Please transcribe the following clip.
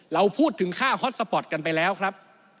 เราพูดถึงค่าฮอตสปอร์ตกันไปแล้วครับ